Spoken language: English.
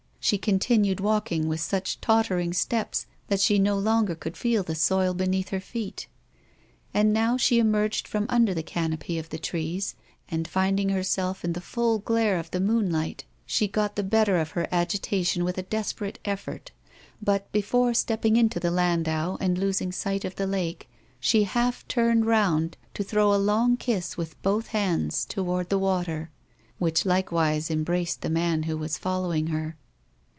She continued walking with such tottering steps that she no longer could feel the soil beneath her feet. And now she emerged from under the canopy of trees, and finding herself in the full glare of the moonlight, she got the better of her agitation with a desperate effort; but, before stepping into the landau and losing sight of the lake, she half turned round to throw a long kiss with both hands toward the water, which likewise embraced the man who was following her.